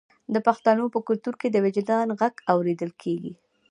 د پښتنو په کلتور کې د وجدان غږ اوریدل کیږي.